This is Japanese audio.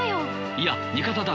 いや味方だ。